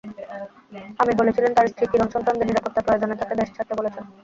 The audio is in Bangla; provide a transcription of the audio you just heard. আমির বলেছিলেন, তাঁর স্ত্রী কিরণ সন্তানদের নিরাপত্তার প্রয়োজনে তাঁকে দেশ ছাড়তে বলেছেন।